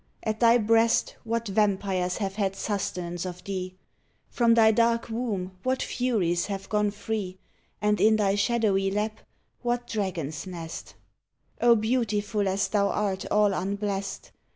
at thy breast What vampires have had sustenance of thee ! From thy dark womb what furies have gone free And in thy shadowy lap what dragons nest ! O beautiful as thou art all unblest